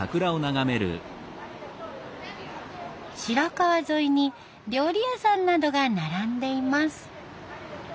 白川沿いに料理屋さんなどが並んでいます。